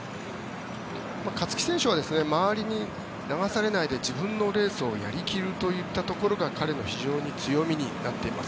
勝木選手は周りに流されないで自分のレースをやり切るといったところが彼の非常に強みになっています。